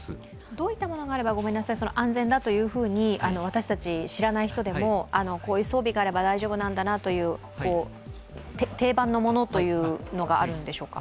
どういったものがあれば安全だというふうに私たち、知らない人でもこういう装備があれば大丈夫なんだなという、定番のものはあるのでしょうか？